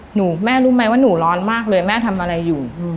แม่รู้ไหมว่าหนูร้อนมากเลยแม่ทำอะไรอยู่